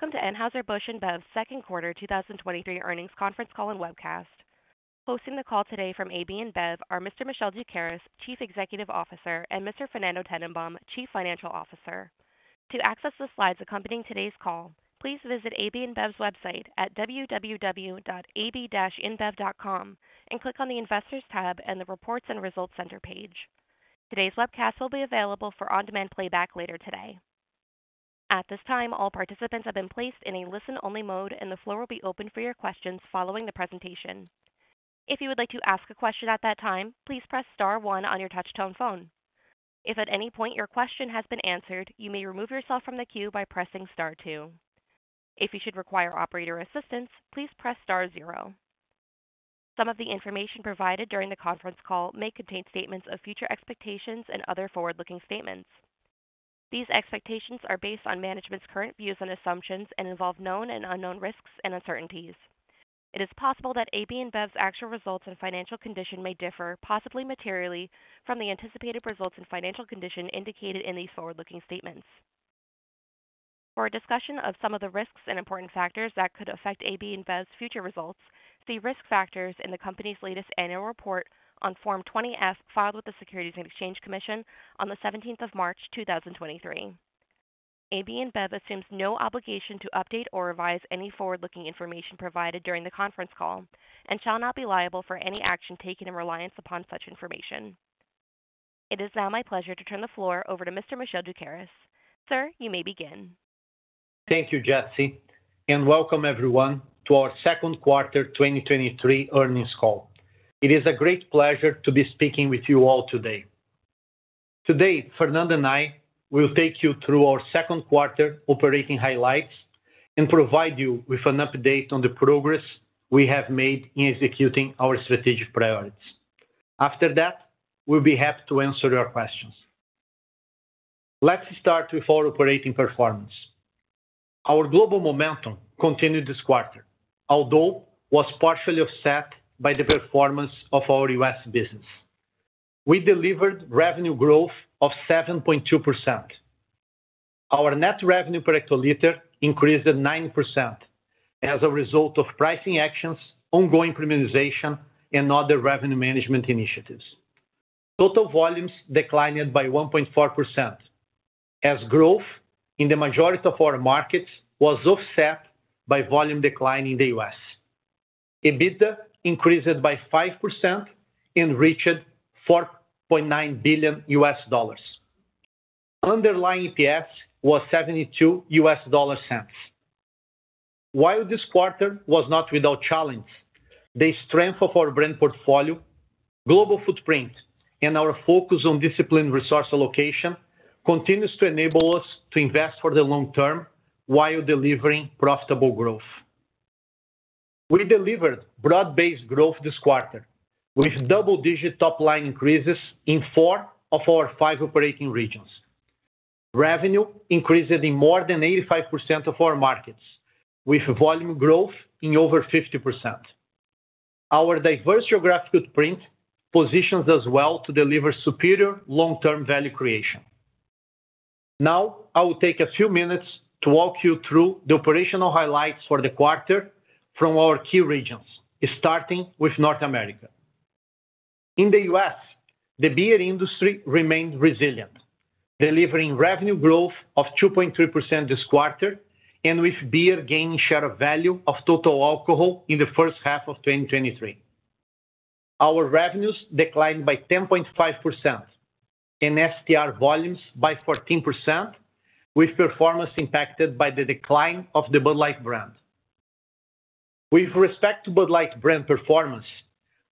Welcome to Anheuser-Busch InBev's Second Quarter 2023 Earnings Conference Call and Webcast. Hosting the call today from AB InBev are Mr. Michel Doukeris, Chief Executive Officer, and Mr. Fernando Tennenbaum, Chief Financial Officer. To access the slides accompanying today's call, please visit AB InBev's website at www.ab-inbev.com and click on the Investors tab and the Reports and Results Center page. Today's webcast will be available for on-demand playback later today. At this time, all participants have been placed in a listen-only mode, and the floor will be open for your questions following the presentation. If you would like to ask a question at that time, please press star one on your touchtone phone. If at any point your question has been answered, you may remove yourself from the queue by pressing star two. If you should require operator assistance, please press star zero. Some of the information provided during the conference call may contain statements of future expectations and other forward-looking statements. These expectations are based on management's current views and assumptions and involve known and unknown risks and uncertainties. It is possible that AB InBev's actual results and financial condition may differ, possibly materially, from the anticipated results and financial condition indicated in these forward-looking statements. For a discussion of some of the risks and important factors that could affect AB InBev's future results, see Risk Factors in the company's latest annual report on Form 20-F, filed with the Securities and Exchange Commission on the 17th of March, 2023. AB InBev assumes no obligation to update or revise any forward-looking information provided during the conference call and shall not be liable for any action taken in reliance upon such information. It is now my pleasure to turn the floor over to Mr. Michel Doukeris. Sir, you may begin. Thank you, Jesse, and welcome everyone to our Second Quarter 2023 Earnings Call. It is a great pleasure to be speaking with you all today. Today, Fernando and I will take you through our second-quarter operating highlights and provide you with an update on the progress we have made in executing our strategic priorities. After that, we'll be happy to answer your questions. Let's start with our operating performance. Our global momentum continued this quarter, although was partially offset by the performance of our U.S. business. We delivered revenue growth of 7.2%. Our net revenue per hectoliter increased at 9% as a result of pricing actions, ongoing premiumization, and other revenue management initiatives. Total volumes declined by 1.4%, as growth in the majority of our markets was offset by volume decline in the U.S. EBITDA increased by 5% and reached $4.9 billion. Underlying EPS was $0.72. While this quarter was not without challenge, the strength of our brand portfolio, global footprint, and our focus on disciplined resource allocation continues to enable us to invest for the long term while delivering profitable growth. We delivered broad-based growth this quarter, with double-digit top-line increases in four of our five operating regions. Revenue increased in more than 85% of our markets, with volume growth in over 50%. Our diverse geographic footprint positions us well to deliver superior long-term value creation. I will take a few minutes to walk you through the operational highlights for the quarter from our key regions, starting with North America. In the U.S., the beer industry remained resilient, delivering revenue growth of 2.3% this quarter, and with beer gaining share of value of total alcohol in the first half of 2023. Our revenues declined by 10.5% and STR volumes by 14%, with performance impacted by the decline of the Bud Light brand. With respect to Bud Light brand performance,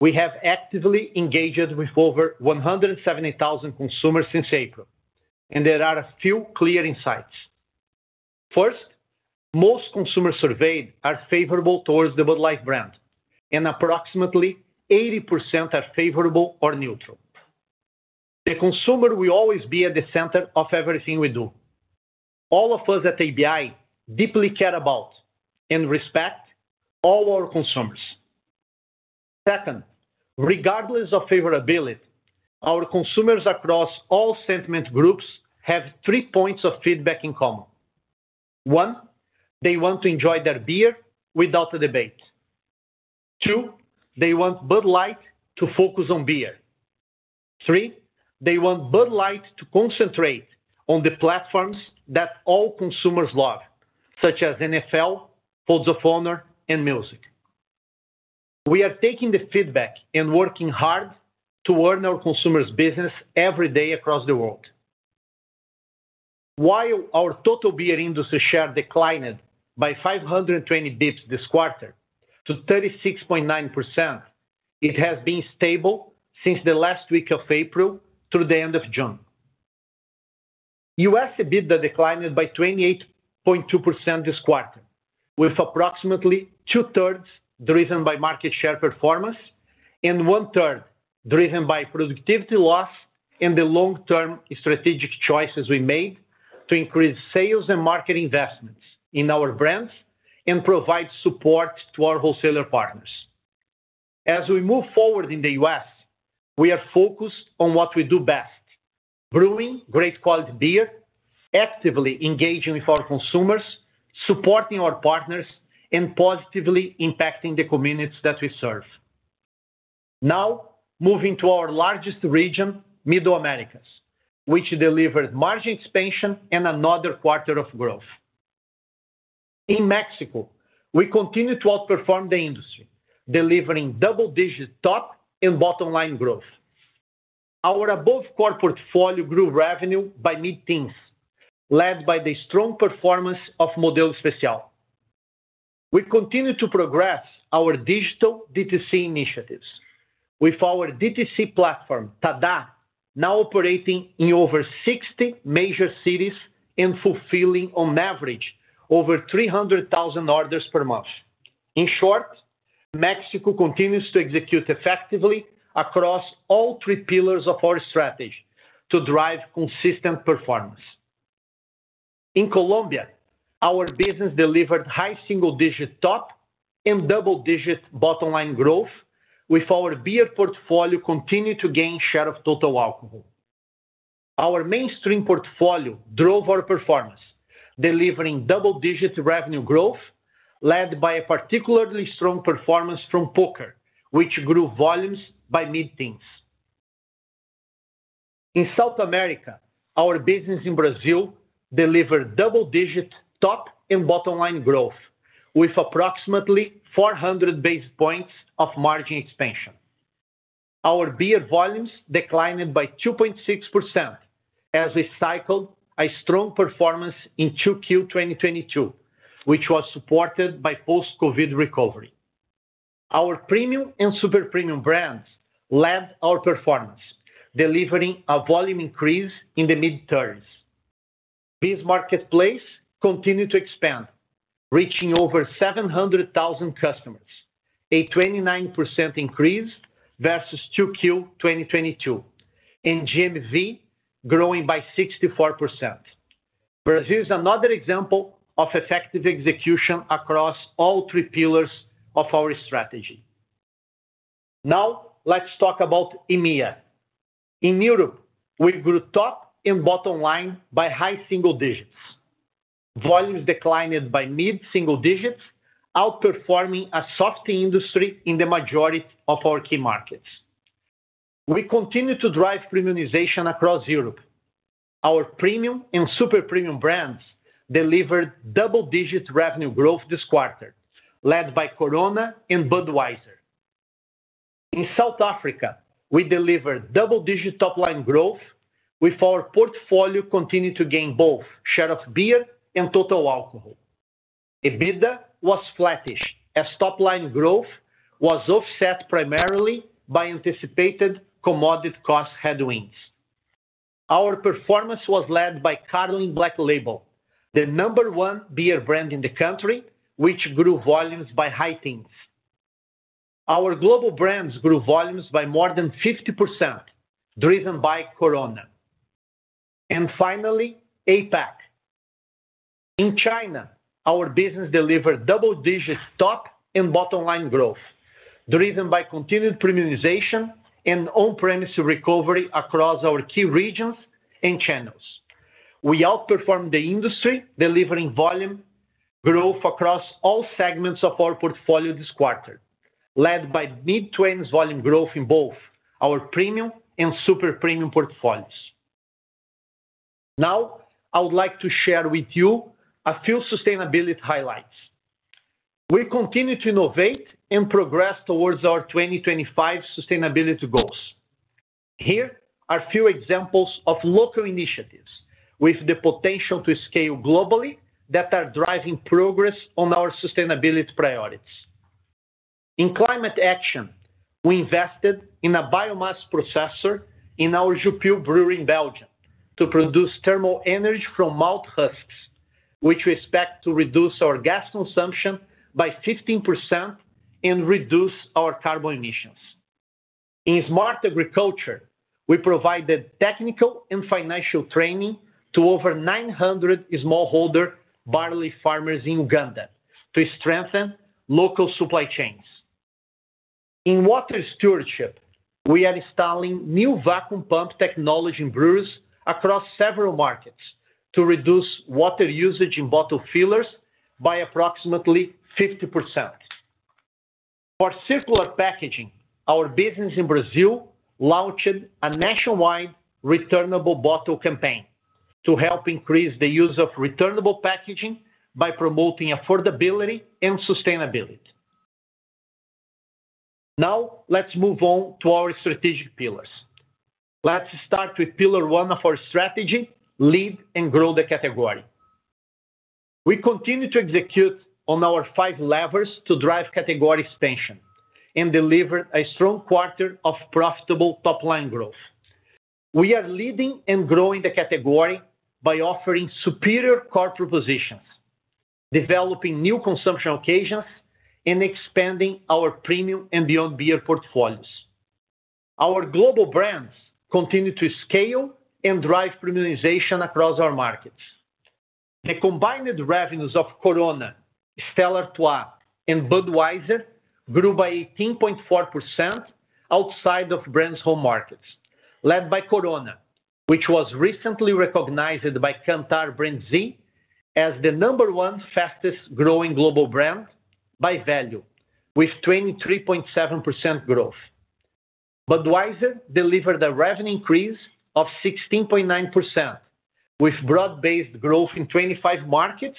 we have actively engaged with over 170,000 consumers since April, and there are a few clear insights. First, most consumers surveyed are favorable towards the Bud Light brand, and approximately 80% are favorable or neutral. The consumer will always be at the center of everything we do. All of us at ABI deeply care about and respect all our consumers. Second, regardless of favorability, our consumers across all sentiment groups have three points of feedback in common. One, they want to enjoy their beer without a debate. Two, they want Bud Light to focus on beer. Three, they want Bud Light to concentrate on the platforms that all consumers love, such as NFL, Folds of Honor, and music. We are taking the feedback and working hard to earn our consumers' business every day across the world. While our total beer industry share declined by 520 basis points this quarter to 36.9%, it has been stable since the last week of April through the end of June. U.S. EBITDA declined by 28.2% this quarter, with approximately two-thirds driven by market share performance and one-third driven by productivity loss and the long-term strategic choices we made to increase sales and marketing investments in our brands and provide support to our wholesaler partners. As we move forward in the U.S., we are focused on what we do best, brewing great quality beer, actively engaging with our consumers, supporting our partners, and positively impacting the communities that we serve. Now, moving to our largest region, Middle Americas, which delivered margin expansion and another quarter of growth. In Mexico, we continue to outperform the industry, delivering double-digit top and bottom line growth. Our above core portfolio grew revenue by mid-teens, led by the strong performance of Modelo Especial. We continue to progress our digital DTC initiatives, with our DTC platform, TaDa, now operating in over 60 major cities and fulfilling on average, over 300,000 orders per month. In short, Mexico continues to execute effectively across all 3 pillars of our strategy to drive consistent performance. In Colombia, our business delivered high single-digit top and double-digit bottom line growth, with our beer portfolio continuing to gain share of total alcohol. Our mainstream portfolio drove our performance, delivering double-digit revenue growth, led by a particularly strong performance from Poker, which grew volumes by mid-teens. In South America, our business in Brazil delivered double-digit top and bottom line growth, with approximately 400 basis points of margin expansion. Our beer volumes declined by 2.6% as we cycled a strong performance in 2Q 2022, which was supported by post-COVID recovery. Our premium and super premium brands led our performance, delivering a volume increase in the mid-30s. BEES Marketplace continued to expand, reaching over 700,000 customers, a 29% increase versus 2Q 2022, and GMV growing by 64%. Brazil is another example of effective execution across all three pillars of our strategy. Let's talk about EMEA. In Europe, we grew top and bottom line by high single digits. Volumes declined by mid-single digits, outperforming a soft industry in the majority of our key markets. We continue to drive premiumization across Europe. Our premium and super premium brands delivered double-digit revenue growth this quarter, led by Corona and Budweiser. In South Africa, we delivered double-digit top-line growth, with our portfolio continuing to gain both share of beer and total alcohol. EBITDA was flattish, as top-line growth was offset primarily by anticipated commodity cost headwinds. Our performance was led by Carling Black Label, the number one beer brand in the country, which grew volumes by high teens. Our global brands grew volumes by more than 50%, driven by Corona. Finally, APAC. In China, our business delivered double-digit top and bottom line growth, driven by continued premiumization and on-premise recovery across our key regions and channels. We outperformed the industry, delivering volume growth across all segments of our portfolio this quarter, led by mid-20s volume growth in both our premium and super premium portfolios. Now, I would like to share with you a few sustainability highlights. We continue to innovate and progress towards our 2025 sustainability goals. Here are a few examples of local initiatives with the potential to scale globally, that are driving progress on our sustainability priorities. In climate action, we invested in a biomass processor in our Jupiler brewery in Belgium, to produce thermal energy from malt husks, which we expect to reduce our gas consumption by 15% and reduce our carbon emissions. In smart agriculture, we provided technical and financial training to over 900 smallholder barley farmers in Uganda to strengthen local supply chains. In water stewardship, we are installing new vacuum pump technology in breweries across several markets to reduce water usage in bottle fillers by approximately 50%. For circular packaging, our business in Brazil launched a nationwide returnable bottle campaign to help increase the use of returnable packaging by promoting affordability and sustainability. Let's move on to our strategic pillars. Let's start with pillar one of our strategy, lead and grow the category. We continue to execute on our five levers to drive category expansion and deliver a strong quarter of profitable top-line growth. We are leading and growing the category by offering superior core propositions, developing new consumption occasions, and expanding our premium and beyond beer portfolios. Our global brands continue to scale and drive premiumization across our markets. The combined revenues of Corona, Stella Artois, and Budweiser grew by 18.4% outside of brand's home markets, led by Corona, which was recently recognized by Kantar BrandZ as the number one fastest growing global brand by value, with 23.7% growth. Budweiser delivered a revenue increase of 16.9%, with broad-based growth in 25 markets,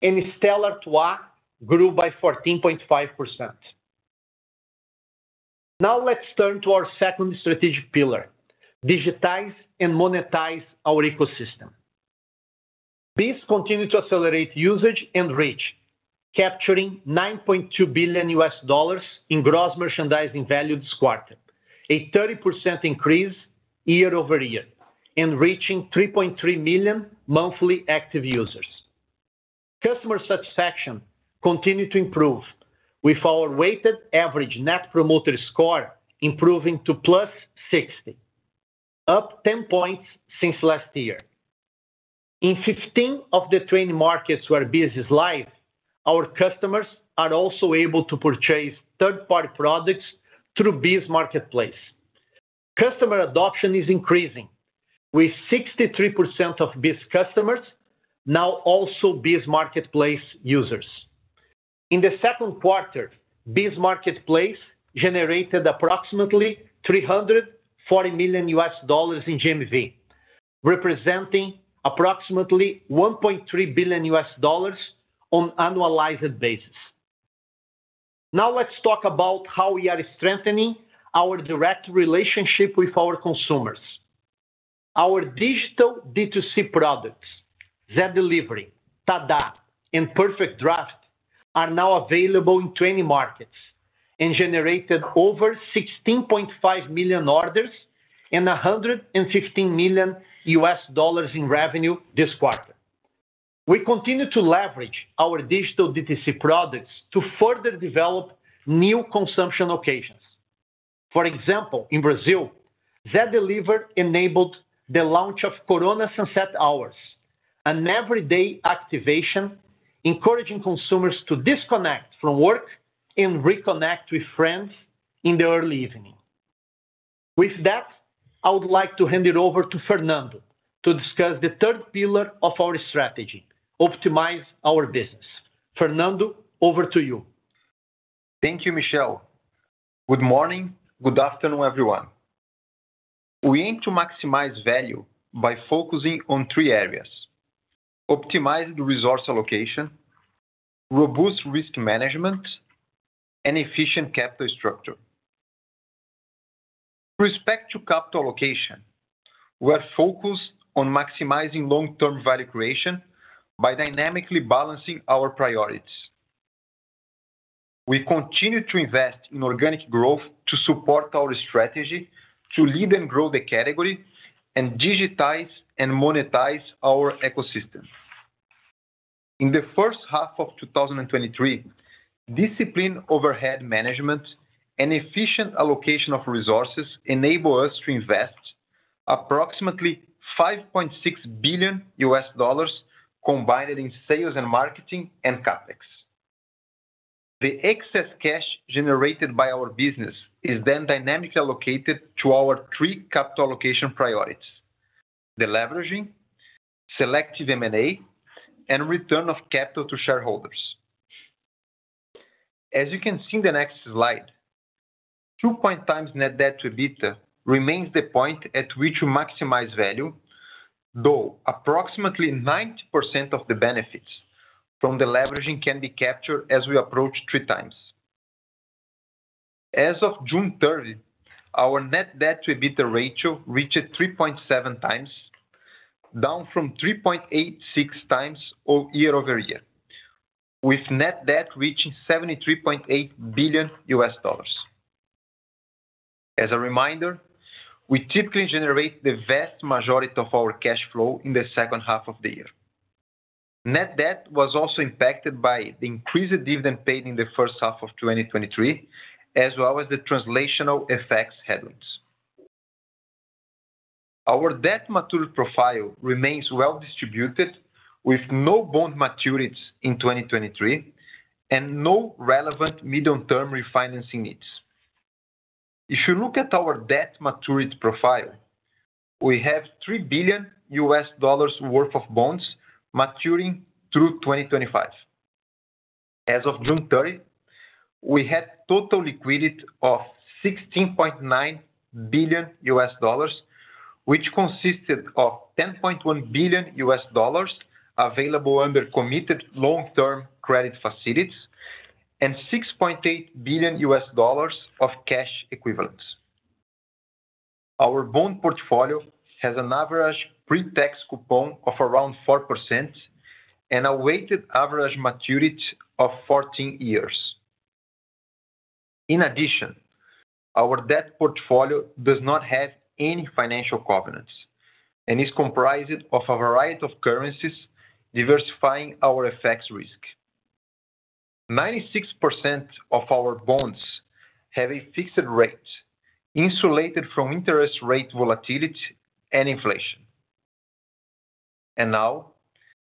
and Stella Artois grew by 14.5%. Now let's turn to our second strategic pillar: digitize and monetize our ecosystem. This continued to accelerate usage and reach, capturing $9.2 billion in gross merchandising valued this quarter, a 30% increase year-over-year, and reaching 3.3 million monthly active users. Customer satisfaction continued to improve, with our weighted average Net Promoter Score improving to +60, up 10 points since last year. In 15 of the 20 markets where BEES is live, our customers are also able to purchase third-party products through BEES Marketplace. Customer adoption is increasing, with 63% of BEES customers now also BEES Marketplace users. In the second quarter, BEES Marketplace generated approximately $340 million in GMV, representing approximately $1.3 billion on annualized basis. Let's talk about how we are strengthening our direct relationship with our consumers. Our digital D2C products, Zé Delivery, TaDa, and PerfectDraft, are now available in 20 markets, and generated over 16.5 million orders and $115 million in revenue this quarter. We continue to leverage our digital D2C products to further develop new consumption occasions. For example, in Brazil, Zé Delivery enabled the launch of Corona Sunset Hours, an everyday activation, encouraging consumers to disconnect from work and reconnect with friends in the early evening. With that, I would like to hand it over to Fernando to discuss the third pillar of our strategy: optimize our business. Fernando, over to you. Thank you, Michel. Good morning. Good afternoon, everyone. We aim to maximize value by focusing on three areas: optimized resource allocation, robust risk management, and efficient capital structure. With respect to capital allocation, we are focused on maximizing long-term value creation by dynamically balancing our priorities. We continue to invest in organic growth to support our strategy to lead and grow the category and digitize and monetize our ecosystem. In the first half of 2023, disciplined overhead management and efficient allocation of resources enabled us to invest approximately $5.6 billion, combined in sales and marketing and CapEx. The excess cash generated by our business is then dynamically allocated to our three capital allocation priorities: the leveraging, selective M&A, and return of capital to shareholders. As you can see in the next slide, 2x net debt to EBITDA remains the point at which we maximize value, though approximately 90% of the benefits from the leveraging can be captured as we approach 3x. As of June 30, our net debt to EBITDA ratio reached 3.7x, down from 3.86x year-over-year, with net debt reaching $73.8 billion. As a reminder, we typically generate the vast majority of our cash flow in the second half of the year. Net debt was also impacted by the increased dividend paid in the first half of 2023, as well as the translational effects headwinds. Our debt maturity profile remains well distributed, with no bond maturities in 2023, and no relevant medium-term refinancing needs. If you look at our debt maturity profile, we have $3 billion worth of bonds maturing through 2025. As of June 30, we had total liquidity of $16.9 billion, which consisted of $10.1 billion available under committed long-term credit facilities, and $6.8 billion of cash equivalents. Our bond portfolio has an average pre-tax coupon of around 4% and a weighted average maturity of 14 years. In addition, our debt portfolio does not have any financial covenants and is comprised of a variety of currencies, diversifying our FX risk. Ninety-six percent of our bonds have a fixed rate, insulated from interest rate volatility and inflation. Now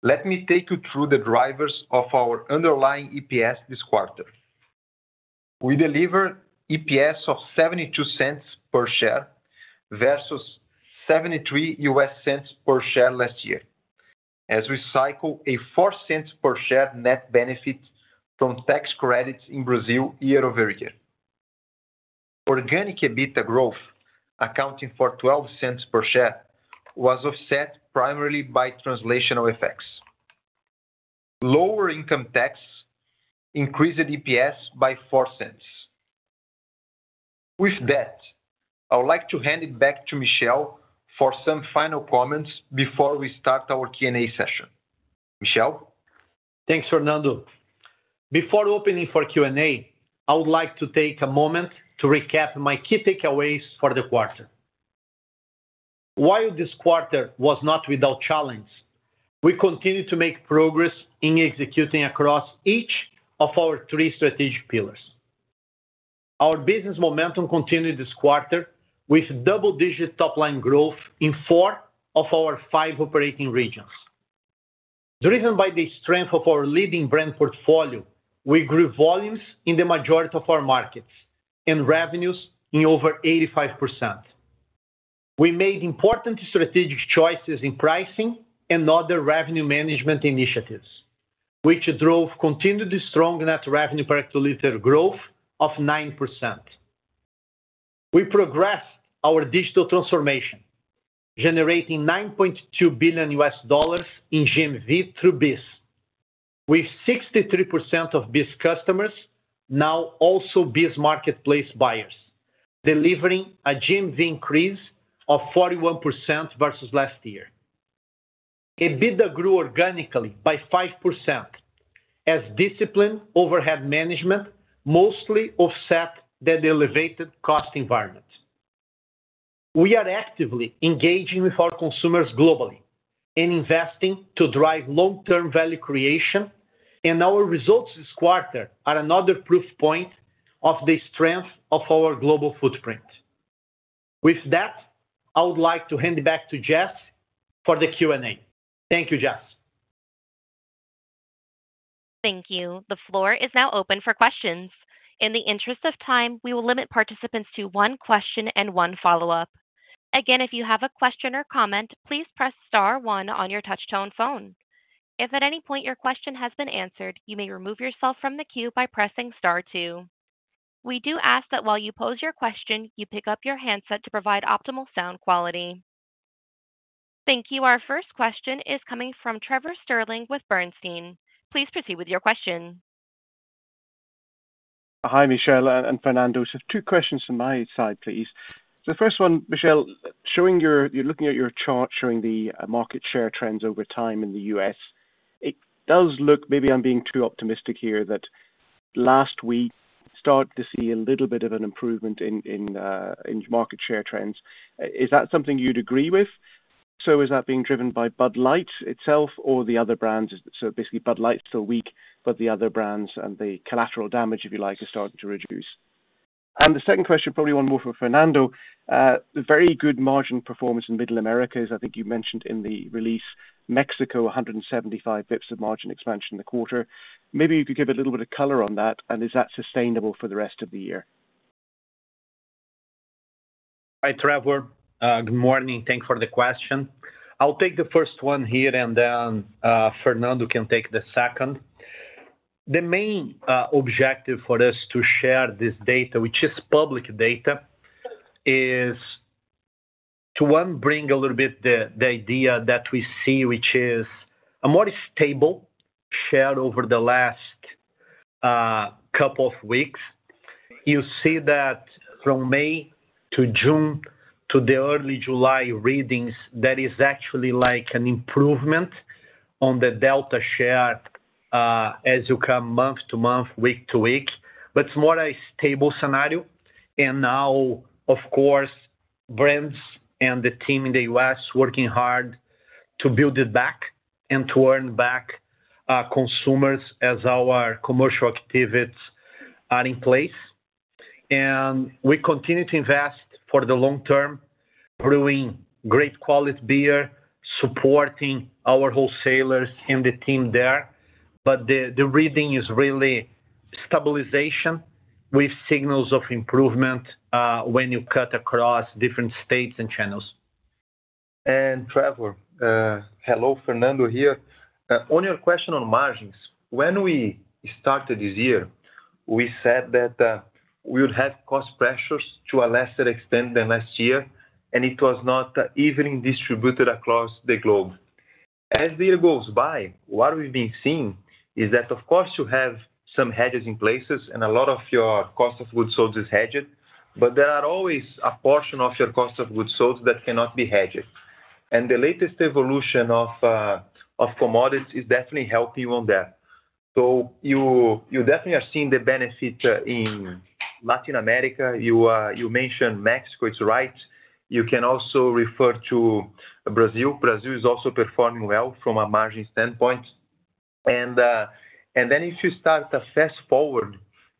let me take you through the drivers of our underlying EPS this quarter. We delivered EPS of $0.72 per share versus $0.73 per share last year, as we cycle a $0.04 per share net benefit from tax credits in Brazil year-over-year. Organic EBITDA growth, accounting for $0.12 per share, was offset primarily by translational effects. Lower income tax increased the EPS by $0.04. With that, I would like to hand it back to Michel for some final comments before we start our Q&A session. Michel? Thanks, Fernando. Before opening for Q&A, I would like to take a moment to recap my key takeaways for the quarter. While this quarter was not without challenge, we continued to make progress in executing across each of our three strategic pillars. Our business momentum continued this quarter with double-digit top-line growth in 4 of our 5 operating regions. Driven by the strength of our leading brand portfolio, we grew volumes in the majority of our markets and revenues in over 85%. We made important strategic choices in pricing and other revenue management initiatives, which drove continued strong net revenue per hectoliter growth of 9%. We progressed our digital transformation, generating $9.2 billion in GMV through BEES, with 63% of BEES customers now also BEES Marketplace buyers, delivering a GMV increase of 41% versus last year. EBITDA grew organically by 5%, as disciplined overhead management mostly offset the elevated cost environment. We are actively engaging with our consumers globally and investing to drive long-term value creation. Our results this quarter are another proof point of the strength of our global footprint. With that, I would like to hand it back to Jess for the Q&A. Thank you, Jess. Thank you. The floor is now open for questions. In the interest of time, we will limit participants to one question and one follow-up. Again, if you have a question or comment, please press star one on your touchtone phone. If at any point your question has been answered, you may remove yourself from the queue by pressing star two. We do ask that while you pose your question, you pick up your handset to provide optimal sound quality. Thank you. Our first question is coming from Trevor Stirling with Bernstein. Please proceed with your question. Hi, Michel and Fernando. Just two questions from my side, please. The first one, Michel, showing your-- you're looking at your chart showing the market share trends over time in the U.S. It does look, maybe I'm being too optimistic here, that last week started to see a little bit of an improvement in, in market share trends. Is that something you'd agree with? Is that being driven by Bud Light itself or the other brands? Basically, Bud Light's still weak, but the other brands and the collateral damage, if you like, is starting to reduce. The second question, probably one more for Fernando. The very good margin performance in Middle America, as I think you mentioned in the release, Mexico, 175 bps of margin expansion in the quarter. Maybe you could give a little bit of color on that, and is that sustainable for the rest of the year? Hi, Trevor. Good morning. Thank you for the question. I'll take the first one here, and then Fernando can take the second. The main objective for us to share this data, which is public data, is to, one, bring a little bit the, the idea that we see, which is a more stable share over the last couple of weeks. You see that from May to June to the early July readings, that is actually like an improvement on the delta share as you come month to month, week to week, but it's more a stable scenario. Now, of course, brands and the team in the U.S. working hard to build it back and to earn back consumers as our commercial activities are in place. We continue to invest for the long term, brewing great quality beer, supporting our wholesalers and the team there. The reading is really stabilization with signals of improvement, when you cut across different states and channels. Trevor, hello, Fernando here. On your question on margins, when we started this year, we said that we would have cost pressures to a lesser extent than last year, and it was not evenly distributed across the globe. As the year goes by, what we've been seeing is that, of course, you have some hedges in places, and a lot of your cost of goods sold is hedged, but there are always a portion of your cost of goods sold that cannot be hedged. The latest evolution of commodities is definitely helping you on that. You, you definitely are seeing the benefit in Latin America, you mentioned Mexico, it's right. You can also refer to Brazil. Brazil is also performing well from a margin standpoint. If you start to fast-forward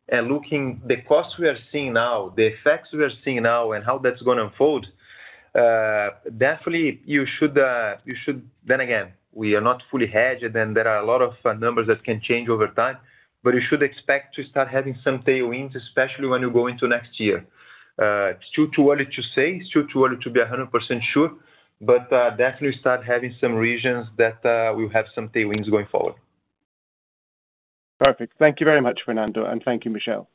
and looking the costs we are seeing now, the effects we are seeing now and how that's gonna unfold, definitely you should. We are not fully hedged, and there are a lot of numbers that can change over time, but you should expect to start having some tailwinds, especially when you go into next year. It's too, too early to say, it's too, too early to be 100% sure, but definitely start having some regions that will have some tailwinds going forward. Perfect. Thank you very much, Fernando, and thank you, Michel.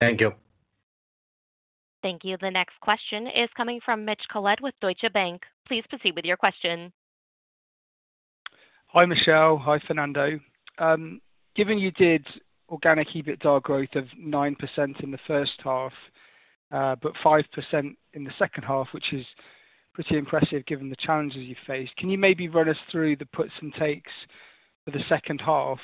Thank you. Thank you. The next question is coming from Mitch Collett with Deutsche Bank. Please proceed with your question. Hi, Michel. Hi, Fernando. Given you did organic EBITDA growth of 9% in the first half, but 5% in the second half, which is pretty impressive given the challenges you faced, can you maybe run us through the puts and takes for the second half?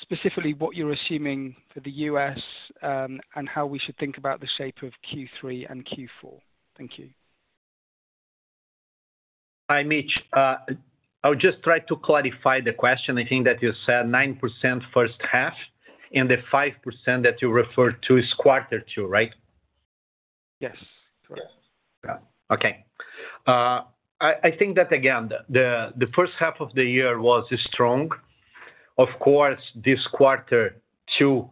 Specifically, what you're assuming for the U.S., and how we should think about the shape of Q3 and Q4. Thank you. Hi, Mitch. I would just try to clarify the question. I think that you said 9% first half, and the 5% that you referred to is quarter two, right? Yes. Yes. Yeah. Okay. I think that, again, the first half of the year was strong. Of course, this quarter 2,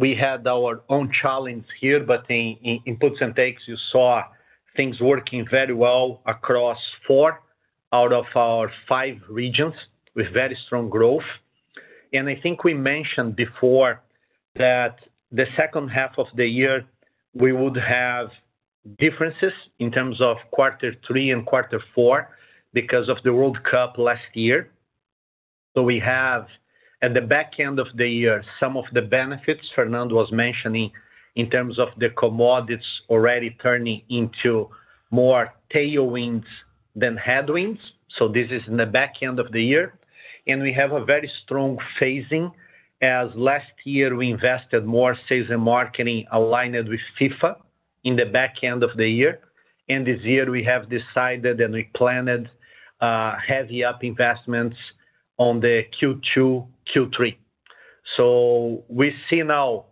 we had our own challenge here, but in puts and takes, you saw things working very well across 4 out of our 5 regions, with very strong growth. I think we mentioned before that the second half of the year, we would have differences in terms of quarter 3 and quarter 4 because of the World Cup last year. We have, at the back end of the year, some of the benefits Fernando was mentioning in terms of the commodities already turning into more tailwinds than headwinds, so this is in the back end of the year. We have a very strong phasing, as last year we invested more sales and marketing aligned with FIFA in the back end of the year. This year we have decided, and we planned, heavy up investments on the Q2, Q3. We see now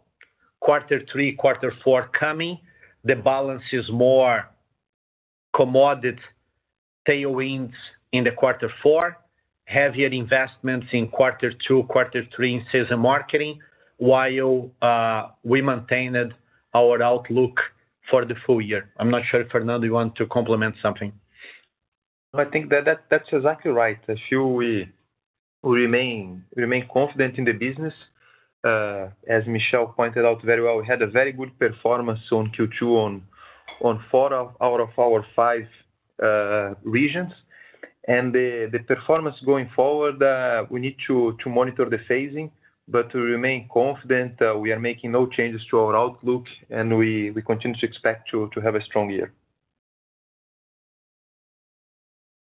quarter three, quarter four coming. The balance is more commodity tailwinds in the quarter four, heavier investments in quarter two, quarter three in sales and marketing, while we maintained our outlook for the full year. I'm not sure, Fernando, you want to complement something? I think that, that's exactly right. So we, we remain, remain confident in the business. As Michel pointed out very well, we had a very good performance on Q2 on, on four out of our five regions. And the, the performance going forward, we need to, to monitor the phasing, but we remain confident, we are making no changes to our outlook, and we, we continue to expect to, to have a strong year.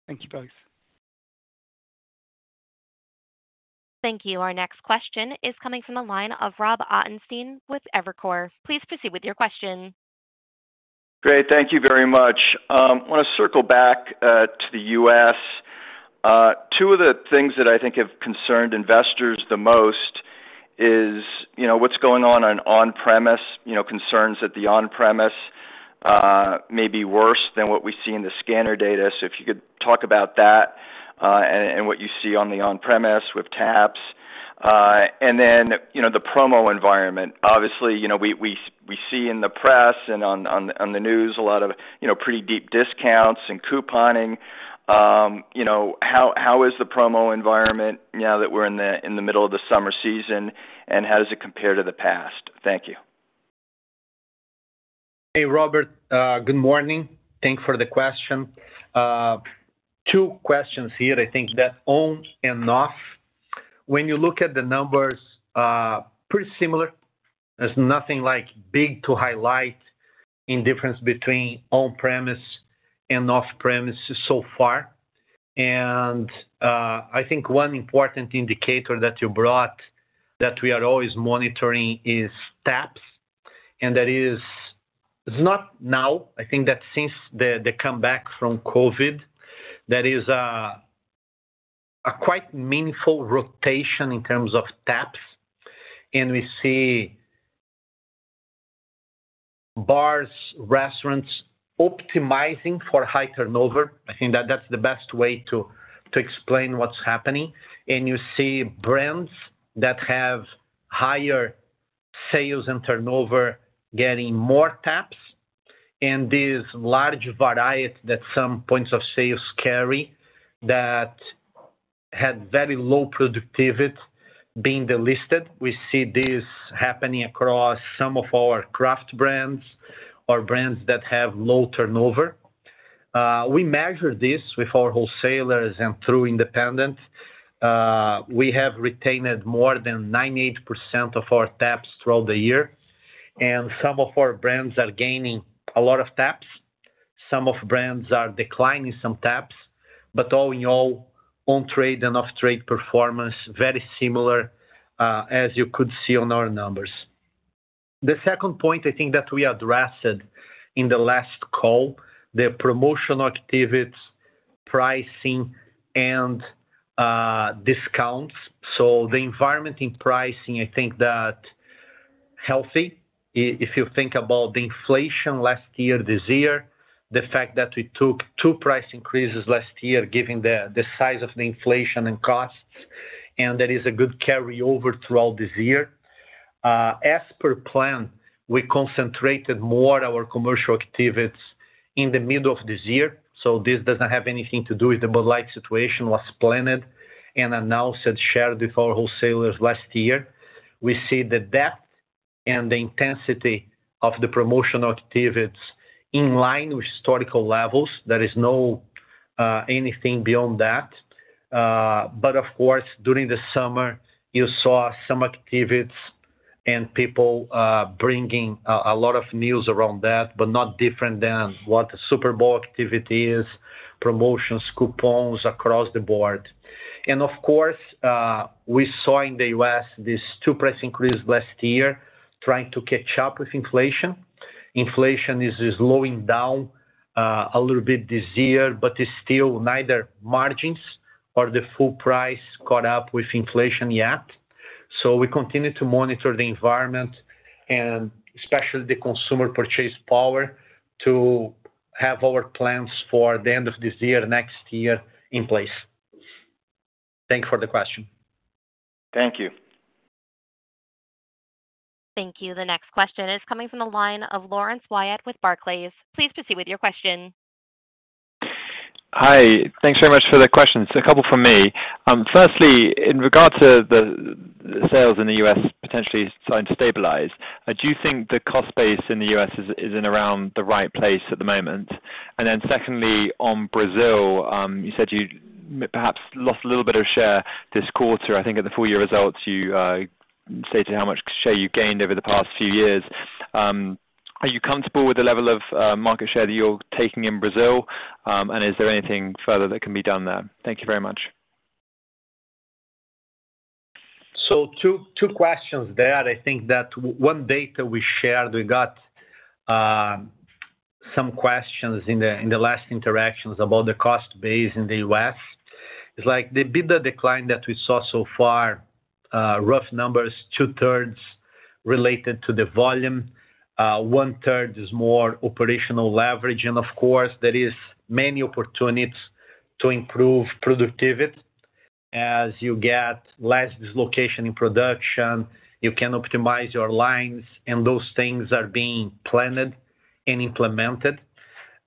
Thank you, guys. Thank you. Our next question is coming from the line of Rob Ottenstein with Evercore. Please proceed with your question. Great, thank you very much. I want to circle back to the US. Two of the things that I think have concerned investors the most is, you know, what's going on, on on-premise, you know, concerns that the on-premise may be worse than what we see in the scanner data. If you could talk about that, and what you see on the on-premise with taps. You know, the promo environment. Obviously, you know, we, we, we see in the press and on, on, on the news a lot of, you know, pretty deep discounts and couponing. You know, how, how is the promo environment now that we're in the, in the middle of the summer season, and how does it compare to the past? Thank you. Hey, Robert, good morning. Thank you for the question. 2 questions here. I think that on and off, when you look at the numbers, pretty similar. There's nothing like big to highlight in difference between on-premise and off-premise so far. I think one important indicator that you brought that we are always monitoring is taps, and that is... It's not now, I think that since the come back from COVID, there is a quite meaningful rotation in terms of taps. We see bars, restaurants, optimizing for high turnover. I think that that's the best way to explain what's happening. You see brands that have higher sales and turnover getting more taps, and this large variety that some points of sales carry that had very low productivity being delisted. We see this happening across some of our craft brands or brands that have low turnover. We measure this with our wholesalers and through independents. We have retained more than 98% of our taps throughout the year, and some of our brands are gaining a lot of taps. Some of brands are declining some taps, but all in all, on trade and off trade performance, very similar, as you could see on our numbers. The second point, I think, that we addressed in the last call, the promotional activities, pricing, and discounts. The environment in pricing, I think that healthy. If you think about the inflation last year, this year, the fact that we took 2 price increases last year, giving the, the size of the inflation and costs, and there is a good carryover throughout this year. As per plan, we concentrated more our commercial activities in the middle of this year. This does not have anything to do with the Bud Light situation, was planned and announced and shared with our wholesalers last year. We see the depth and the intensity of the promotional activities in line with historical levels. There is no anything beyond that. Of course, during the summer, you saw some activities and people bringing a lot of news around that, but not different than what the Super Bowl activity is, promotions, coupons across the board. Of course, we saw in the U.S. these 2 price increase last year, trying to catch up with inflation. Inflation is slowing down a little bit this year, but is still neither margins or the full price caught up with inflation yet. We continue to monitor the environment, and especially the consumer purchase power, to have our plans for the end of this year, next year in place. Thank you for the question. Thank you. Thank you. The next question is coming from the line of Laurence Whyatt with Barclays. Please proceed with your question. Hi, thanks very much for the questions. A couple from me. Firstly, in regard to the, the sales in the U.S. potentially starting to stabilize, do you think the cost base in the U.S. is, is in around the right place at the moment? Secondly, on Brazil, you said you perhaps lost a little bit of share this quarter. I think at the full year results, you stated how much share you gained over the past few years. Are you comfortable with the level of market share that you're taking in Brazil? Is there anything further that can be done there? Thank you very much. Two, two questions there. I think that one data we shared, we got some questions in the last interactions about the cost base in the U.S. It's like the EBITDA decline that we saw so far, rough numbers, two-thirds related to the volume, one-third is more operational leverage, and of course, there is many opportunities to improve productivity. As you get less dislocation in production, you can optimize your lines, and those things are being planned and implemented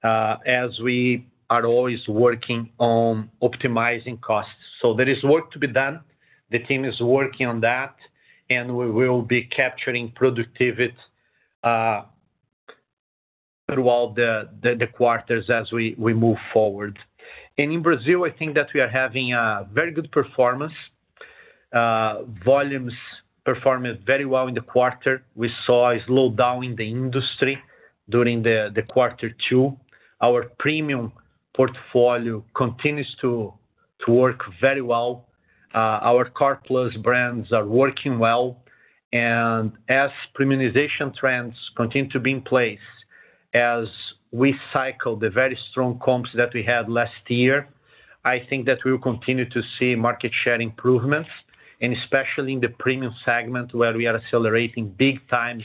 as we are always working on optimizing costs. There is work to be done. The team is working on that, and we will be capturing productivity through all the quarters as we move forward. In Brazil, I think that we are having a very good performance. Volumes performed very well in the quarter. We saw a slowdown in the industry during the quarter two. Our premium portfolio continues to work very well. Our core plus brands are working well, and as premiumization trends continue to be in place, as we cycle the very strong comps that we had last year, I think that we will continue to see market share improvements, and especially in the premium segment, where we are accelerating big time,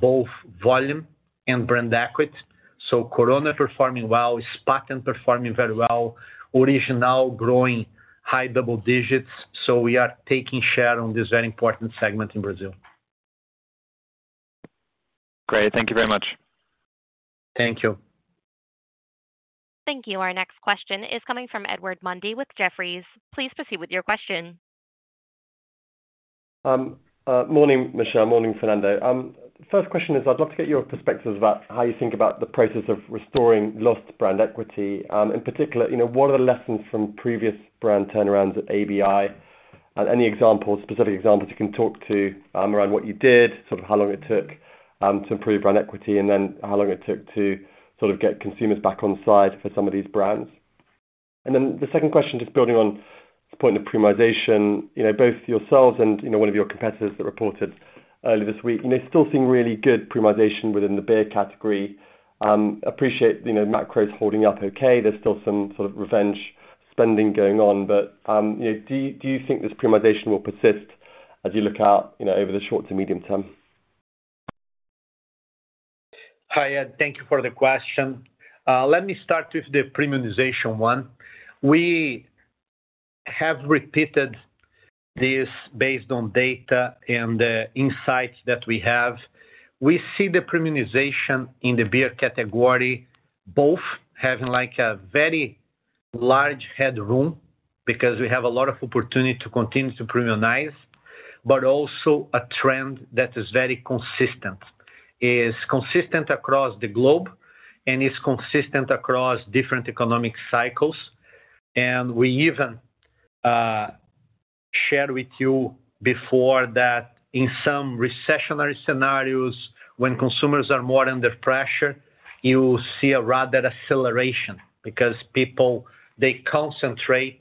both volume and brand equity. Corona performing well, Spaten performing very well, Original growing high double-digits, so we are taking share on this very important segment in Brazil. Great. Thank you very much. Thank you. Thank you. Our next question is coming from Edward Mundy with Jefferies. Please proceed with your question. Morning, Michel. Morning, Fernando. First question is, I'd love to get your perspectives about how you think about the process of restoring lost brand equity. In particular, you know, what are the lessons from previous brand turnarounds at ABI? Any examples, specific examples you can talk to, around what you did, sort of how long it took, to improve brand equity, and then how long it took to sort of get consumers back on side for some of these brands. The second question, just building on this point of premiumization, you know, both yourselves and, you know, one of your competitors that reported earlier this week, you know, still seeing really good premiumization within the beer category. Appreciate, you know, macro is holding up okay. There's still some sort of revenge spending going on, but, you know, do you think this premiumization will persist as you look out, you know, over the short to medium term? Hi, Ed. Thank you for the question. Let me start with the premiumization one. We have repeated this based on data and the insights that we have. We see the premiumization in the beer category, both having, like, a very large headroom, because we have a lot of opportunity to continue to premiumize, but also a trend that is very consistent. Is consistent across the globe and is consistent across different economic cycles. We even shared with you before that in some recessionary scenarios, when consumers are more under pressure, you see a rather acceleration because people, they concentrate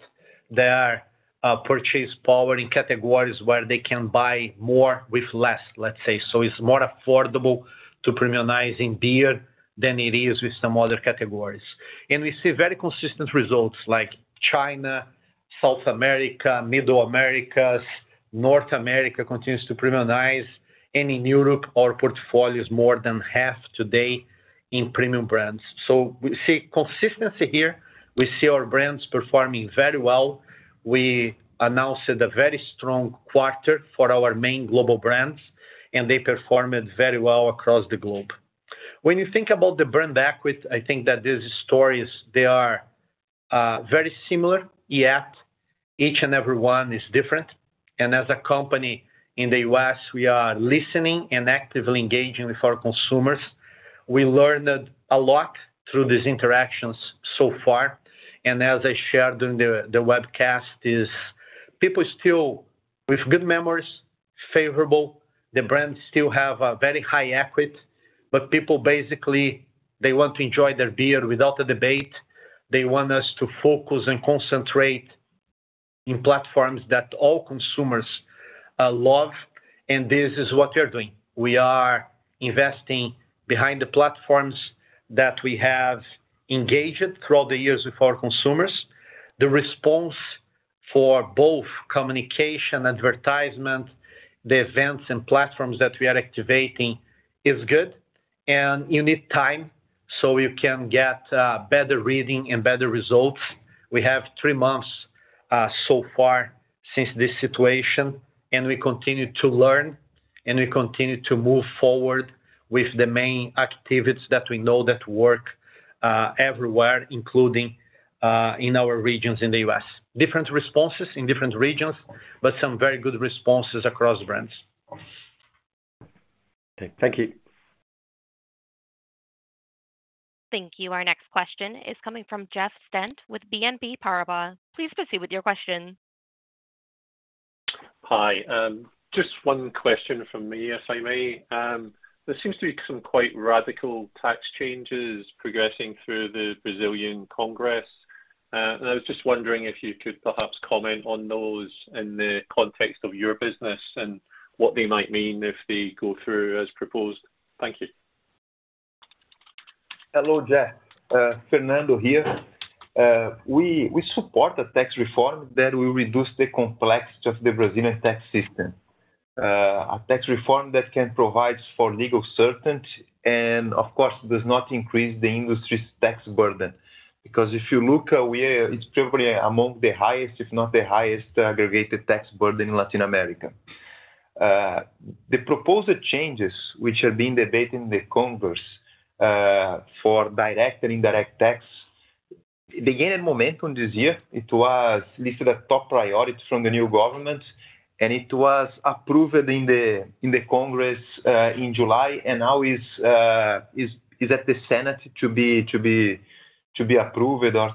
their purchase power in categories where they can buy more with less, let's say. It's more affordable to premiumize in beer than it is with some other categories. We see very consistent results like China, South America, Middle Americas, North America continues to premiumize. In Europe, our portfolio is more than half today in premium brands. We see consistency here. We see our brands performing very well. We announced a very strong quarter for our main global brands, and they performed very well across the globe. When you think about the brand equity, I think that these stories they are very similar, yet each and every one is different. As a company in the U.S., we are listening and actively engaging with our consumers. We learned a lot through these interactions so far, and as I shared during the webcast, is people still with good memories, favorable, the brands still have a very high equity, but people basically, they want to enjoy their beer without a debate. They want us to focus and concentrate in platforms that all consumers love, and this is what we're doing. We are investing behind the platforms that we have engaged through all the years with our consumers. The response for both communication, advertisement, the events and platforms that we are activating is good, and you need time, so you can get better reading and better results. We have three months so far since this situation, and we continue to learn, and we continue to move forward with the main activities that we know that work everywhere, including in our regions in the U.S. Different responses in different regions, but some very good responses across brands. Okay. Thank you. Thank you. Our next question is coming from Jeff Stent with BNP Paribas. Please proceed with your question. Hi. Just one question from me, if I may. There seems to be some quite radical tax changes progressing through the Brazilian Congress, and I was just wondering if you could perhaps comment on those in the context of your business and what they might mean if they go through as proposed. Thank you. Hello, Jeff. Fernando here. We, we support the tax reform that will reduce the complexity of the Brazilian tax system. A tax reform that can provide for legal certainty and of course, does not increase the industry's tax burden. If you look at where it's probably among the highest, if not the highest aggregated tax burden in Latin America. The proposed changes, which are being debated in the Congress, for direct and indirect tax, they gained momentum this year. It was listed a top priority from the new government, and it was approved in the Congress in July, and now is at the Senate to be approved or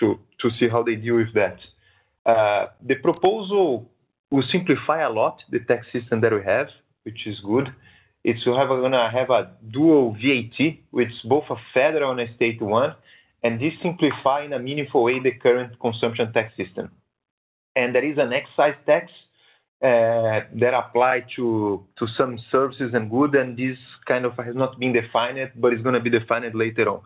to see how they deal with that. The proposal will simplify a lot, the tax system that we have, which is good. It's gonna have a dual VAT, with both a federal and a state one, and this simplify in a meaningful way, the current consumption tax system. There is an excise tax that apply to some services and good, and this kind of has not been defined, but it's gonna be defined later on.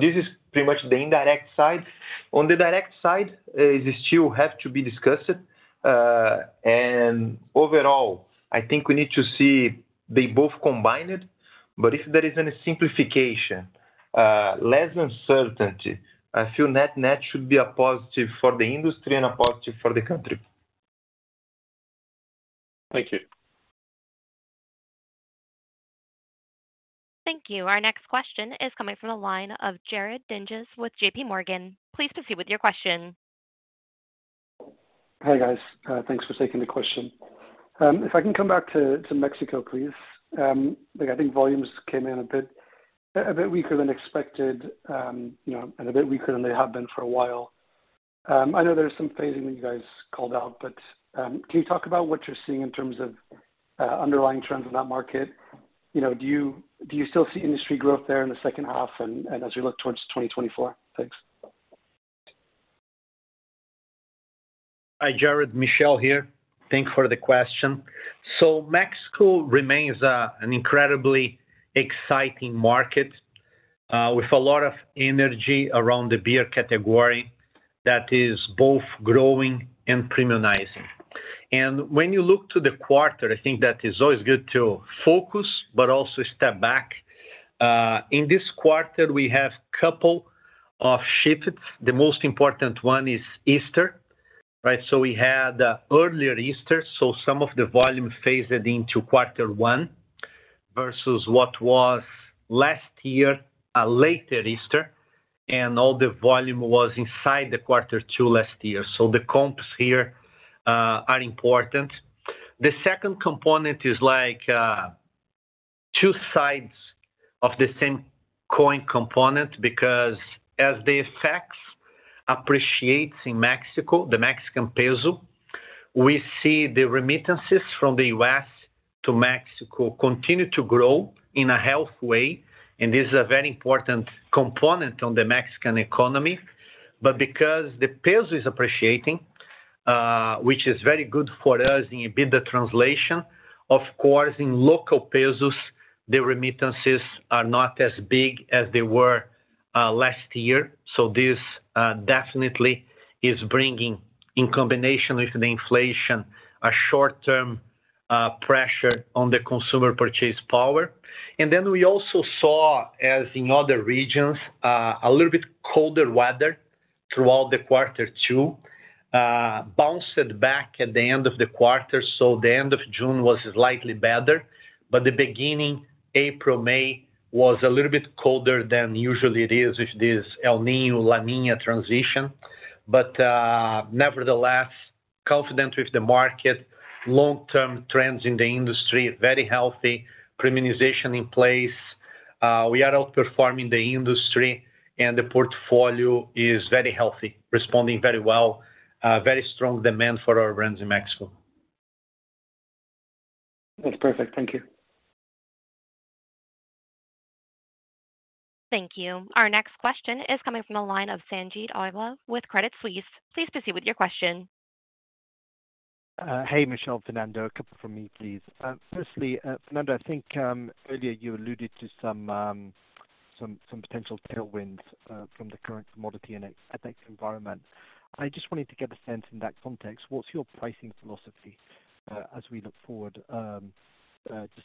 This is pretty much the indirect side. On the direct side, this still have to be discussed. Overall, I think we need to see they both combined. If there is any simplification, less uncertainty, I feel net-net should be a positive for the industry and a positive for the country. Thank you. Thank you. Our next question is coming from the line of Jared Dinges with JPMorgan. Please proceed with your question. Hi, guys. Thanks for taking the question. If I can come back to Mexico, please. I think volumes came in a bit, a bit weaker than expected, and a bit weaker than they have been for a while. I know there's some phasing that you guys called out can you talk about what you're seeing in terms of underlying trends in that market? Do you still see industry growth there in the second half, and as we look towards 2024? Thanks. Hi, Jared. Michel here. Thank you for the question. Mexico remains an incredibly exciting market, with a lot of energy around the beer category that is both growing and premiumizing. When you look to the quarter, I think that is always good to focus, but also step back. In this quarter, we have couple of shifts. The most important one is Easter, right? We had an earlier Easter, some of the volume phased it into quarter one versus what was last year, a later Easter, and all the volume was inside the quarter two last year. The comps here are important. The second component is two sides of the same coin component, because as the effects appreciates in Mexico, the Mexican peso, we see the remittances from the US to Mexico continue to grow in a healthy way, and this is a very important component on the Mexican economy. Because the peso is appreciating, which is very good for us in EBITDA translation, of course, in local pesos, the remittances are not as big as they were last year. This definitely is bringing, in combination with the inflation, a short-term pressure on the consumer's purchasing power. Then we also saw, as in other regions, a little bit colder weather throughout the quarter two. Bounced back at the end of the quarter, so the end of June was slightly better, but the beginning, April, May, was a little bit colder than usually it is with this El Niño, La Niña transition. Nevertheless, confident with the market. Long-term trends in the industry, very healthy, and premiumization in place. We are outperforming the industry, and the portfolio is very healthy, responding very well. Very strong demand for our brands in Mexico. That's perfect. Thank you. Thank you. Our next question is coming from the line of Sanjeet Aujla with Credit Suisse. Please proceed with your question. Hey, Michel, Fernando, a couple from me, please. Firstly, Fernando, I think earlier you alluded to some, some, some potential tailwinds from the current commodity and FX environment. I just wanted to get a sense in that context, what's your pricing philosophy as we look forward to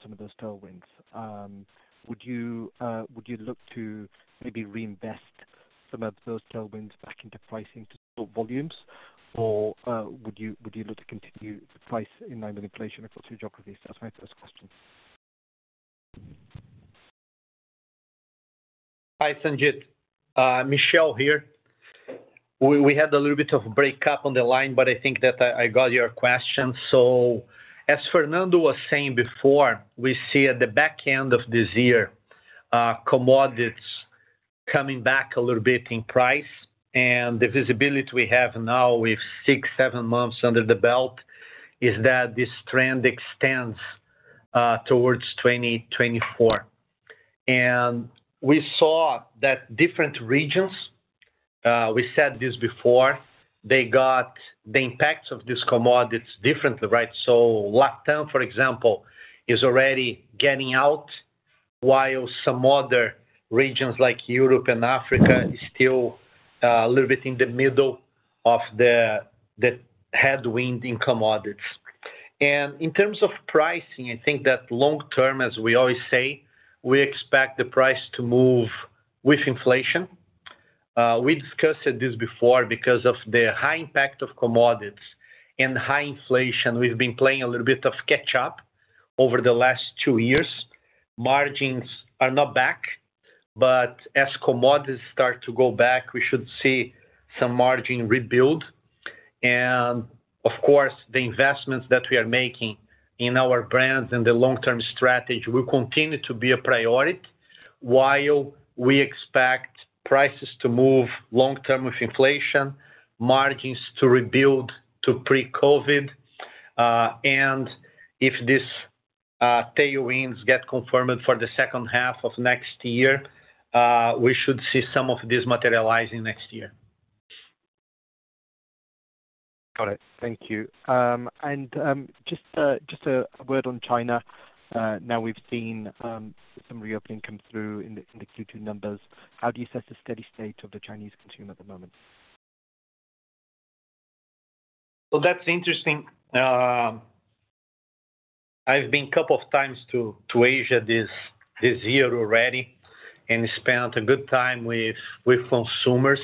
some of those tailwinds? Would you, would you look to maybe reinvest some of those tailwinds back into pricing to build volumes, or, would you, would you look to continue to price in line with inflation across the geographies? That's my first question. Hi, Sanjeet. Michel Doukeris here. We, we had a little bit of break up on the line, but I think that I, I got your question. As Fernando Tennenbaum was saying before, we see at the back end of this year, commodities coming back a little bit in price, and the visibility we have now with 6, 7 months under the belt, is that this trend extends towards 2024. We saw that different regions, we said this before, they got the impacts of this commodities differently, right? Latam, for example, is already getting out, while some other regions, like Europe and Africa, is still a little bit in the middle of the, the headwind in commodities. In terms of pricing, I think that long term, as we always say, we expect the price to move with inflation. We discussed this before. Because of the high impact of commodities and high inflation, we've been playing a little bit of catch up over the last two years. Margins are not back, but as commodities start to go back, we should see some margin rebuild. Of course, the investments that we are making in our brands and the long-term strategy will continue to be a priority while we expect prices to move long term with inflation, margins to rebuild to pre-COVID. If this tailwinds get confirmed for the second half of next year, we should see some of this materializing next year. Got it. Thank you. Just a word on China. Now we've seen some reopening come through in the Q2 numbers. How do you assess the steady state of the Chinese consumer at the moment? Well, that's interesting. I've been a couple of times to Asia this year already and spent a good time with consumers,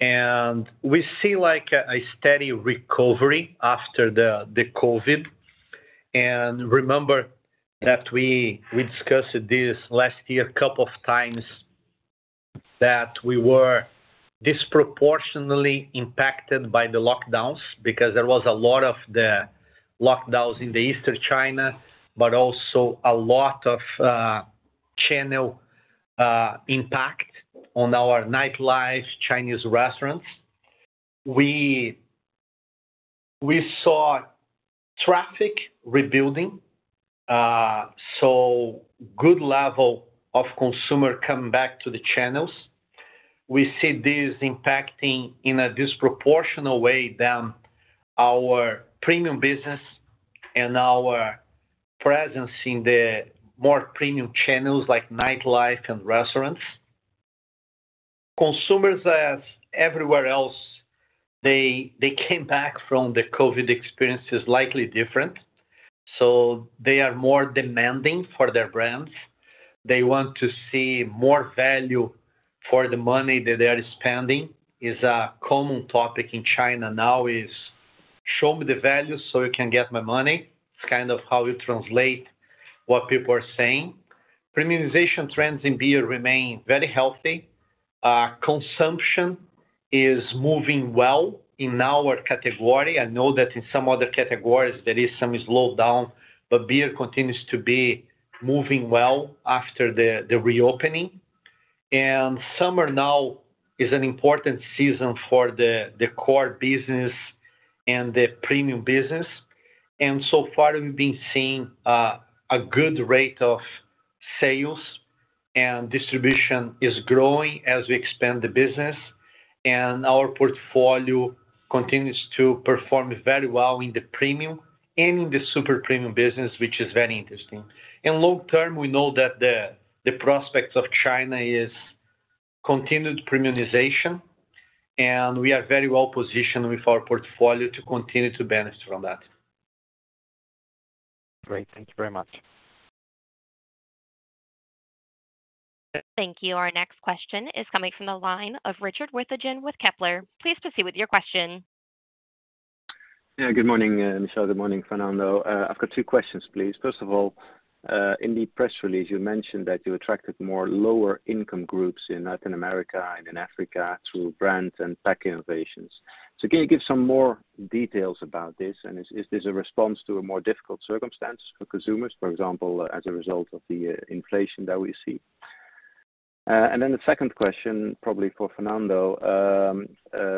and we see like a steady recovery after the COVID. Remember that we discussed this last year a couple of times, that we were disproportionately impacted by the lockdowns because there was a lot of the lockdowns in the Eastern China, but also a lot of channel impact on our nightlife, Chinese restaurants. We saw traffic rebuilding, so good level of consumer come back to the channels. We see this impacting in a disproportional way than our premium business and our presence in the more premium channels like nightlife and restaurants. Consumers, as everywhere else, they came back from the COVID experience is slightly different, so they are more demanding for their brands. They want to see more value for the money that they are spending. A common topic in China now is, "Show me the value so you can get my money." It's kind of how you translate what people are saying. Premiumization trends in beer remain very healthy. Consumption is moving well in our category. I know that in some other categories, there is some slowdown, beer continues to be moving well after the reopening. Summer now is an important season for the core business and the premium business, and so far we've been seeing a good rate of sales, and distribution is growing as we expand the business, and our portfolio continues to perform very well in the premium and in the super premium business, which is very interesting. In long term, we know that the, the prospects of China is continued premiumization. We are very well positioned with our portfolio to continue to benefit from that. Great. Thank you very much. Thank you. Our next question is coming from the line of Richard Withagen with Kepler. Please proceed with your question. Yeah, good morning, Michel. Good morning, Fernando. I've got two questions, please. First of all, in the press release, you mentioned that you attracted more lower-income groups in Latin America and in Africa through brand and tech innovations. Can you give some more details about this, and is this a response to a more difficult circumstance for consumers, for example, as a result of the inflation that we see? And then the second question, probably for Fernando,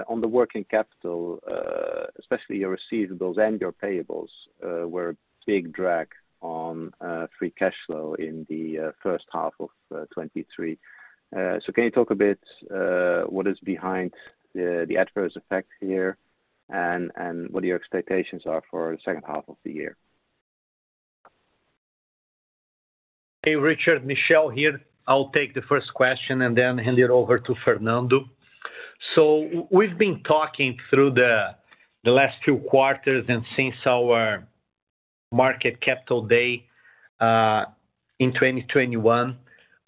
on the working capital, especially your receivables and your payables, were a big drag on free cash flow in the first half of 23. Can you talk a bit what is behind the adverse effect here and what your expectations are for the second half of the year? Hey, Richard, Michel here. I'll take the first question and then hand it over to Fernando. We've been talking through the, the last two quarters and since our Capital Markets Day, in 2021,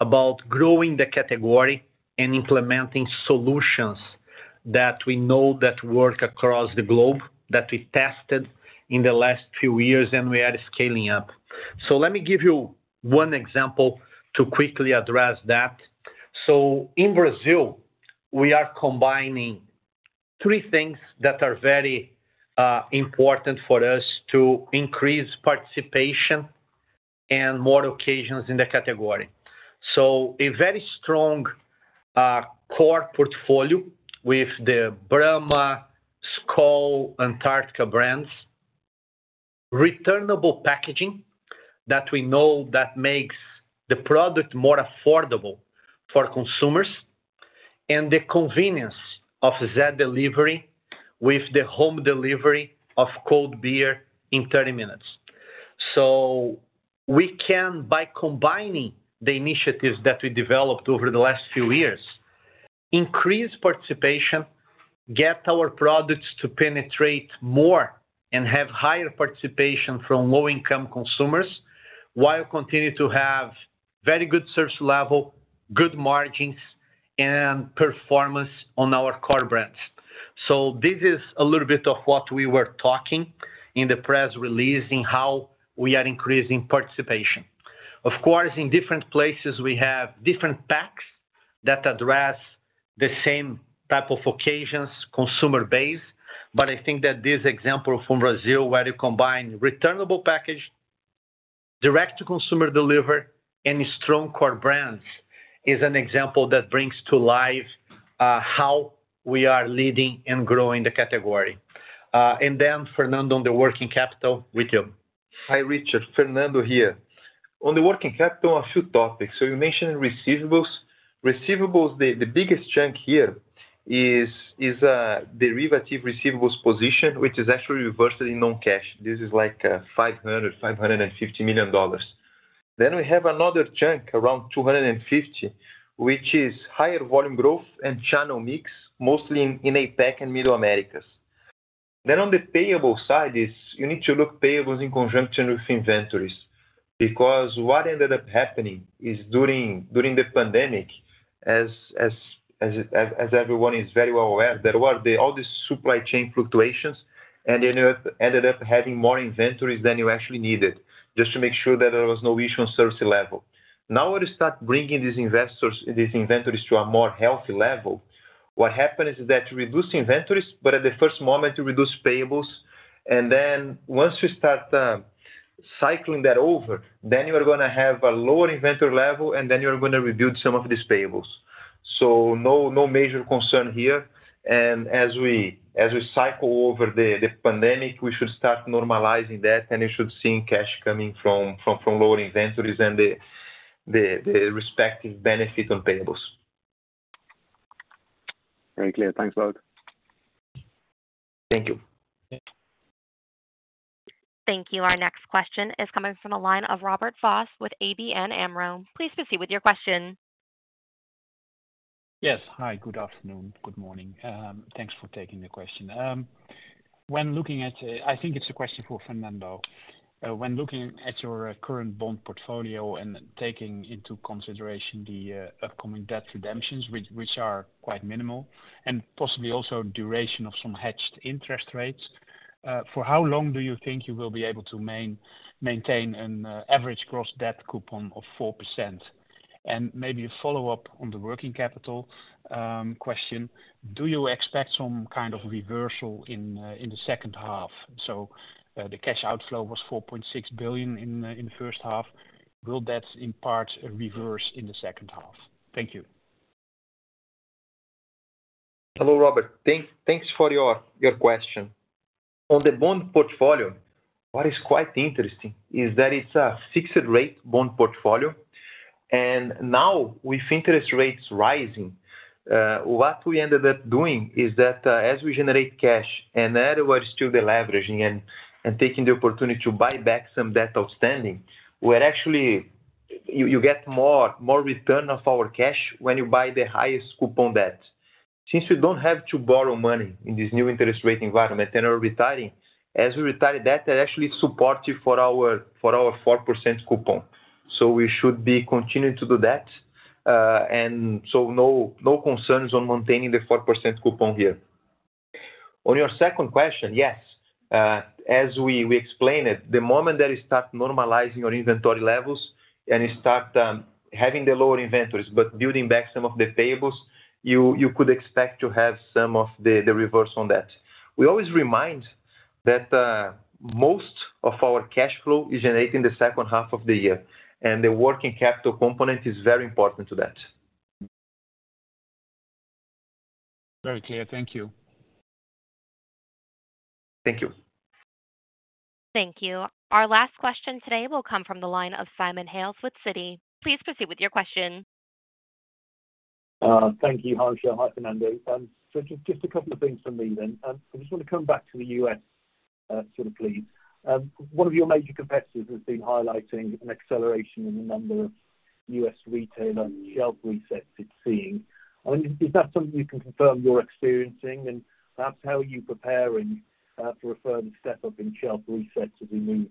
about growing the category and implementing solutions that we know that work across the globe, that we tested in the last few years, and we are scaling up. Let me give you one example to quickly address that. In Brazil, we are combining three things that are very important for us to increase participation and more occasions in the category. A very strong, core portfolio with the Brahma, Skol, Antarctica brands, returnable packaging, that we know that makes the product more affordable for consumers, and the convenience of Zé Delivery with the home delivery of cold beer in 30 minutes. We can, by combining the initiatives that we developed over the last few years, increase participation, get our products to penetrate more, and have higher participation from low-income consumers, while continue to have very good service level, good margins, and performance on our core brands. This is a little bit of what we were talking in the press release, in how we are increasing participation. Of course, in different places, we have different packs that address the same type of occasions, consumer base. I think that this example from Brazil, where you combine returnable package, direct to consumer delivery, and strong core brands, is an example that brings to life how we are leading and growing the category. Fernando, on the working capital with you. Hi, Richard, Fernando here. On the working capital, a few topics. You mentioned receivables. Receivables, the biggest chunk here is derivative receivables position, which is actually reversed in non-cash. This is like $550 million. We have another chunk, around $250 million, which is higher volume growth and channel mix, mostly in APAC and Middle Americas. On the payable side, you need to look payables in conjunction with inventories, because what ended up happening is during the pandemic, as everyone is very well aware, there were all these supply chain fluctuations, and you ended up having more inventories than you actually needed, just to make sure that there was no issue on service level. Now, we start bringing these inventories to a more healthy level. What happens is that you reduce inventories, but at the first moment, you reduce payables, and then once you start cycling that over, then you are gonna have a lower inventory level, and then you're gonna rebuild some of these payables. No, no major concern here, and as we, as we cycle over the, the pandemic, we should start normalizing that, and you should see cash coming from, from, from lower inventories and the, the, the respective benefit on payables. Very clear. Thanks a lot. Thank you. Thank you. Thank you. Our next question is coming from the line of Robert Swaak with ABN AMRO. Please proceed with your question. Yes. Hi, good afternoon. Good morning. Thanks for taking the question. When looking at it, I think it's a question for Fernando. When looking at your current bond portfolio and taking into consideration the upcoming debt redemptions, which are quite minimal, and possibly also duration of some hedged interest rates, for how long do you think you will be able to maintain an average gross debt coupon of 4%? Maybe a follow-up on the working capital question: do you expect some kind of reversal in the second half? The cash outflow was $4.6 billion in the first half. Will that, in part, reverse in the second half? Thank you. Hello, Robert. Thanks for your question. On the bond portfolio, what is quite interesting is that it's a fixed rate bond portfolio, now with interest rates rising, what we ended up doing is that, as we generate cash, then we're still deleveraging and taking the opportunity to buy back some debt outstanding, you get more return of our cash when you buy the highest coupon debt. Since we don't have to borrow money in this new interest rate environment and are retiring, as we retire debt, that actually is supportive for our 4% coupon. We should be continuing to do that. No concerns on maintaining the 4% coupon here. On your second question, yes, as we explained it, the moment that you start normalizing your inventory levels and you start having the lower inventories, but building back some of the payables, you could expect to have some of the reverse on that. We always remind that most of our cash flow is generated in the second half of the year, and the working capital component is very important to that. Very clear. Thank you. Thank you. Thank you. Our last question today will come from the line of Simon Hales with Citi. Please proceed with your question. Thank you, Harsha. Hi, Fernando. Just a couple of things from me then. I just want to come back to the US, sort of please. One of your major competitors has been highlighting an acceleration in the number of US retailer shelf resets it's seeing. I mean, is that something you can confirm you're experiencing? Perhaps how are you preparing for a firm step up in shelf resets as we move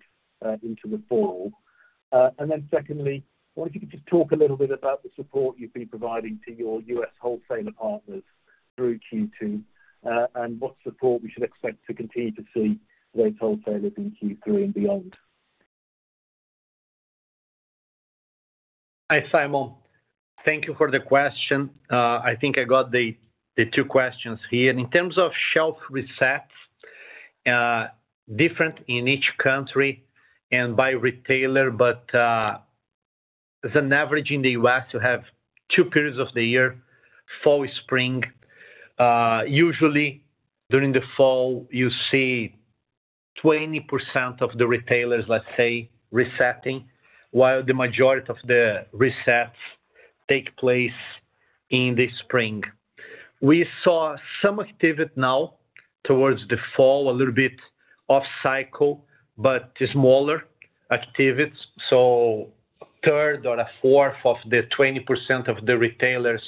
into the fall? Secondly, I wonder if you could just talk a little bit about the support you've been providing to your US wholesaler partners through Q2, and what support we should expect to continue to see those wholesalers in Q3 and beyond. Hi, Simon. Thank you for the question. I think I got the, the two questions here. In terms of shelf resets, different in each country and by retailer, but, as an average in the U.S., you have two periods of the year, fall, spring. Usually during the fall, you see 20% of the retailers, let's say, resetting, while the majority of the resets take place in the spring. We saw some activity now towards the fall, a little bit off cycle, but smaller activities, so a third or a fourth of the 20% of the retailers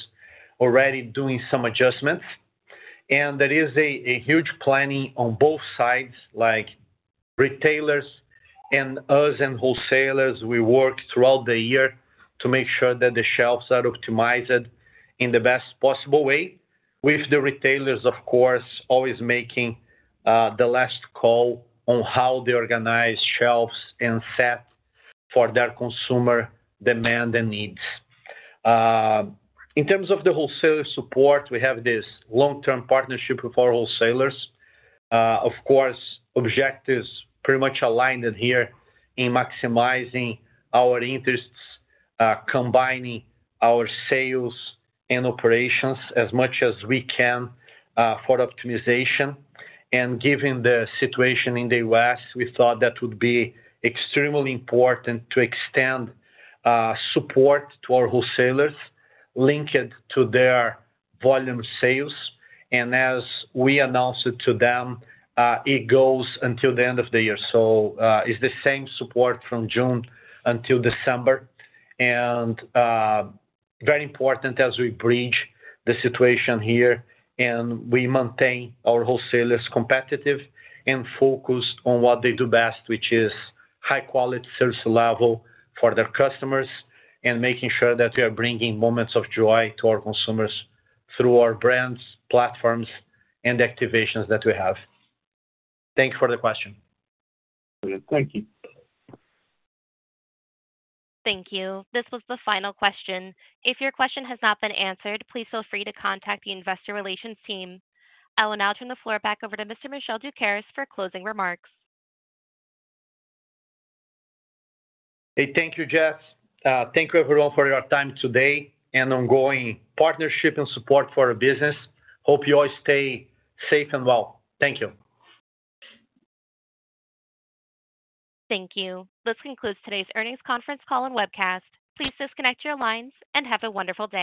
already doing some adjustments. There is a, a huge planning on both sides, like retailers and us and wholesalers. We work throughout the year to make sure that the shelves are optimized in the best possible way with the retailers, of course, always making the last call on how they organize shelves and set for their consumer demand and needs. In terms of the wholesaler support, we have this long-term partnership with our wholesalers. Of course, objectives pretty much aligned in here in maximizing our interests, combining our sales and operations as much as we can for optimization. Given the situation in the U.S., we thought that would be extremely important to extend support to our wholesalers, link it to their volume sales, and as we announced it to them, it goes until the end of the year. It's the same support from June until December, very important as we bridge the situation here, and we maintain our wholesalers competitive and focused on what they do best, which is high-quality service level for their customers and making sure that we are bringing moments of joy to our consumers through our brands, platforms, and activations that we have. Thank you for the question. Thank you. Thank you. This was the final question. If your question has not been answered, please feel free to contact the investor relations team. I will now turn the floor back over to Mr. Michel Doukeris for closing remarks. Hey, thank you, Jess. Thank you everyone for your time today and ongoing partnership and support for our business. Hope you all stay safe and well. Thank you. Thank you. This concludes today's earnings conference call and webcast. Please disconnect your lines and have a wonderful day.